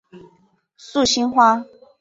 素兴花